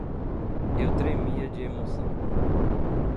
Eu tremia de emoção